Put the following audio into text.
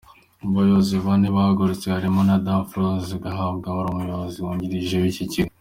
Mu bayobozi bane bahagaritswe harimo na Daphrose Gahakwa wari umuyobozi wungirije w’ iki kigo.